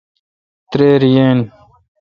تریر یین۔